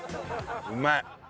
うまい。